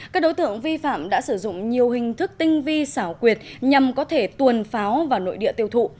các đối tượng vi phạm đã sử dụng nhiều hình thức tinh vi xảo quyệt nhằm có thể tuồn pháo vào nội địa tiêu thụ